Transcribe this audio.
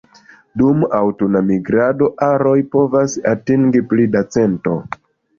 Dum aŭtuna migrado aroj povas atingi pli da cento.